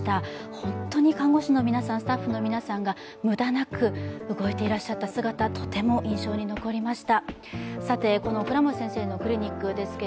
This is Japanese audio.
本当に看護師の皆さん、スタッフの皆さんが無駄なく動いていらっしゃった姿とても印象に残りました。